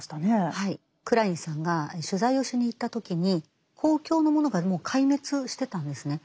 クラインさんが取材をしに行った時に公共のものがもう壊滅してたんですね。